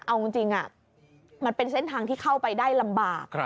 เอาจริงมันเป็นเส้นทางที่เข้าไปได้ลำบาก